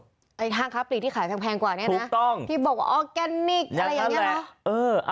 ไอ้ห้างค้าปลีกที่ขายแพงกว่าเนี่ยนะที่บอกว่าออร์แกนิคอะไรอย่างนี้นะ